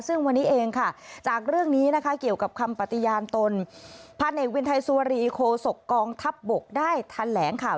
ซึ่งวันนี้เองค่ะจากเรื่องนี้นะคะเกี่ยวกับคำปฏิญาณตนพันเอกวินไทยสุวรีโคศกกองทัพบกได้ทันแหลงข่าว